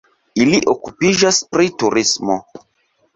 Ili okupiĝas pri turismo.